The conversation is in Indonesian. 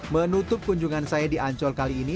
menutup kunjungan saya di ancol kali ini